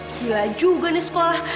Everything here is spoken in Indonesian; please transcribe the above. gila juga nih sekolah